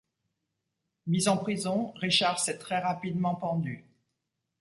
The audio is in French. Mis en prison, Richard s'est très rapidement pendu.